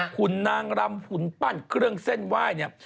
คุณนางรำหุ่นปั้นเครื่องเส้นไหว้เนี่ย